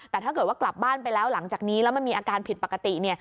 แต่ถ้าเกิดว่ากลับบ้านไปแล้วหลังจากนี้แล้วมันมีอาการผิดปกติเนี่ย